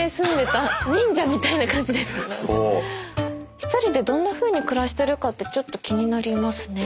１人でどんなふうに暮らしてるかってちょっと気になりますね。